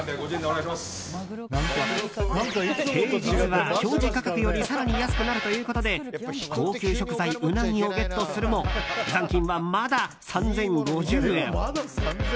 平日は表示価格より更に安くなるということで高級食材ウナギをゲットするも残金はまだ３０５０円。